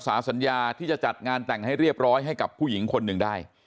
สัญญาที่จะจัดงานแต่งให้เรียบร้อยให้กับผู้หญิงคนหนึ่งได้